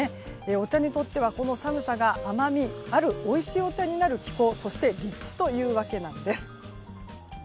お茶にとってはこの寒さが甘みあるおいしいお茶になる気候そして立地というわけなんです。